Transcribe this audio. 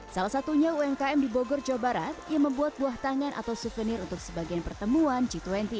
salah satunya umkm di bogor jawa barat yang membuat buah tangan atau souvenir untuk sebagian pertemuan g dua puluh